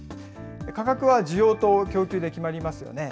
価格は需要と供給で決まりますよね。